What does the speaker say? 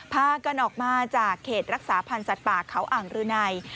พากันออกมาจากเขตรักษาพันธ์สัตว์ป่าเขาอ่างรืนัย